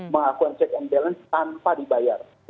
melakukan check and balance tanpa dibayar